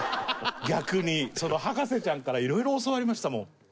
逆に、博士ちゃんからいろいろ教わりましたもん。